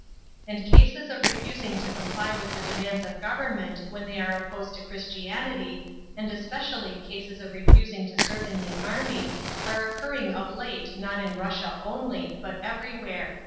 And cases of refusing to comply with the demands of government when they are opposed to Christianity, and especially cases of refusing to serve in the army, are occurring of late not in Russia only, but everywhere.